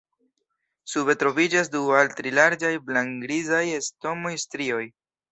Sube troviĝas du al tri larĝaj blank-grizaj stomo-strioj.